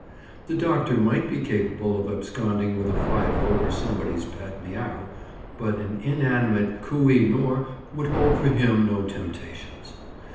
The doctor might be capable of absconding with a Fido or somebody's pet Meow, but an inanimate Kooh i nor would hold for him no temptations.